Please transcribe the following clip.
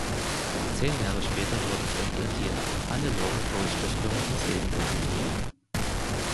Zehn Jahre später wurde von ihr die "Hannelore-Kohl-Stiftung" ins Leben gerufen.